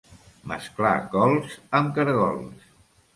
Mesclar cols amb caragols.